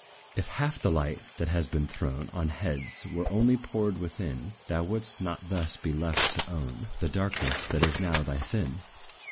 If half the light, that has been thrown On heads, were only poured within, Thou wouldst not thus be left to own The darkness that is now thy sin.